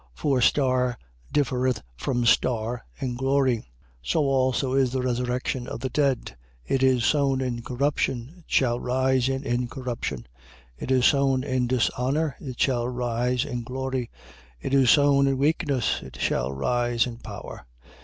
For star differeth from star in glory. 15:42. So also is the resurrection of the dead. It is sown in corruption: it shall rise in incorruption. 15:43. It is sown in dishonour: it shall rise in glory. It is sown in weakness: it shall rise in power.